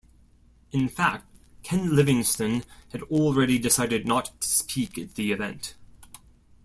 In fact, Ken Livingstone had already decided not to speak at the event.